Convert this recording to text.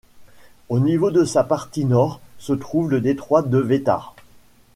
Au niveau de sa partie nord se trouve le détroit de Wetar.